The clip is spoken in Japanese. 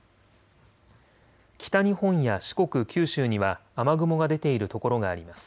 北日本や四国、九州には雨雲が出ている所があります。